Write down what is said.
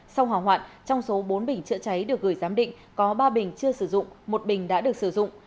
sau hỏa hoạn trong số bốn bình chữa cháy được gửi giám định có ba bình chưa sử dụng một bình đã được sử dụng